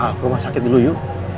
saya ke rumah sakit dulu yuk